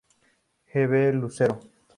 J. B. Lucero.